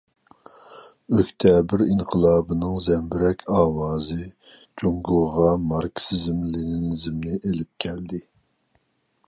ئۆكتەبىر ئىنقىلابىنىڭ زەمبىرەك ئاۋازى جۇڭگوغا ماركسىزم- لېنىنىزمنى ئېلىپ كەلدى.